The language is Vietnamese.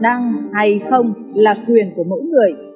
năng hay không là quyền của mỗi người